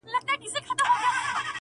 تا پخپله جواب کړي وسیلې دي!!